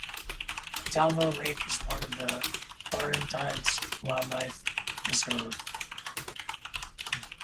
The Talbot Lake is part of the Laurentides Wildlife Reserve.